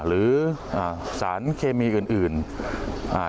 หรืออ่าสารเคมีอื่นอื่นอ่า